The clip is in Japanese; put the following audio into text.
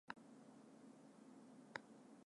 あんあんあ ｎ